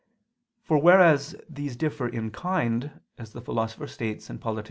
For whereas these differ in kind, as the Philosopher states (Polit.